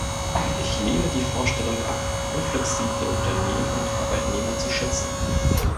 Ich lehne die Vorstellung ab, unflexible Unternehmen und Arbeitnehmer zu schützen.